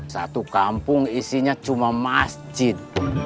satu kampung isinya cuma masjid